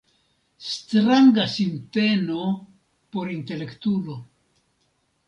Stranga sinteno por intelektulo.